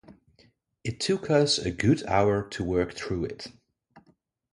It took us a good hour to work through it.